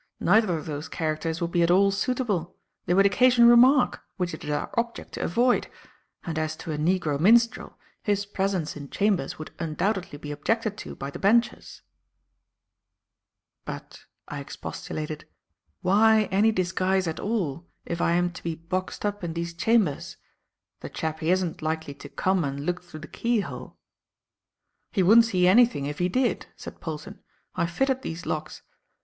"Neither of those characters would be at all suitable. They would occasion remark, which it is our object to avoid; and as to a negro minstrel, his presence in chambers would undoubtedly be objected to by the benchers." "But," I expostulated, "why any disguise at all, if I am to be boxed up in these chambers? The chappie isn't likely to come and look through the keyhole." "He wouldn't see anything if he did," said Polton. "I fitted these locks.